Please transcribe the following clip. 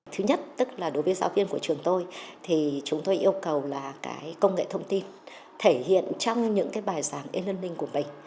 thứ nhất tức là đối với giáo viên của trường tôi thì chúng tôi yêu cầu là công nghệ thông tin thể hiện trong những cái bài giảng e learning của mình